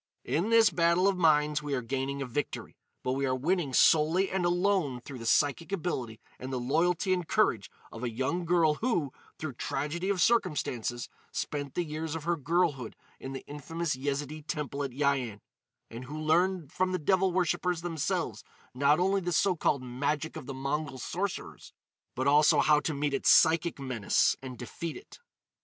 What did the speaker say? "In this battle of minds we are gaining a victory. But we are winning solely and alone through the psychic ability and the loyalty and courage of a young girl who, through tragedy of circumstances, spent the years of her girlhood in the infamous Yezidee temple at Yian, and who learned from the devil worshipers themselves not only this so called magic of the Mongol sorcerers, but also how to meet its psychic menace and defeat it."